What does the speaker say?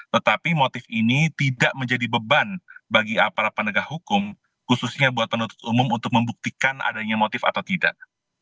tetapi motif ini tidak menjadi beban bagi aparat penegak hukum khususnya buat penutup umum untuk membuktikan adanya motif atau tidak